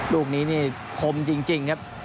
ลูกนี้นี่คมจริงครับ